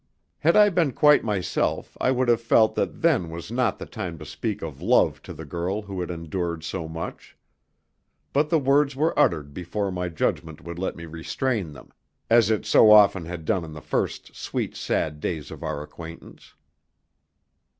Had I been quite myself I would have felt that then was not the time to speak of love to the girl who had endured so much. But the words were uttered before my judgment would let me restrain them, as it so often had done in the first sweet, sad days of our acquaintance.